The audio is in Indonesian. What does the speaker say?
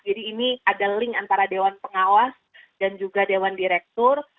jadi ini ada link antara dewan pengawas dan juga dewan direktur